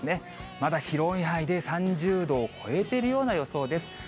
まだ広い範囲で３０度を超えてるような予想です。